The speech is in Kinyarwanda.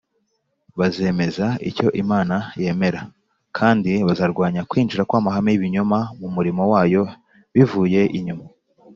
bazemeza icyo imana yemera, kandi bazarwanya kwinjira kw’amahame y’ibinyoma mu murimo wayo bivuye inyuma.